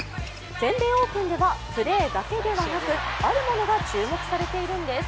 全米オープンではプレーだけではなくあるものが注目されているんです。